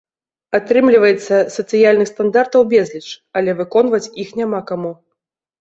Атрымліваецца, сацыяльных стандартаў безліч, але выконваць іх няма каму.